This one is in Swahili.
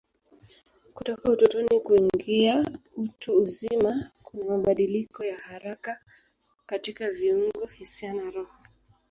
Kutoka utotoni kuingia utu uzima kuna mabadiliko ya haraka katika viungo, hisia na roho.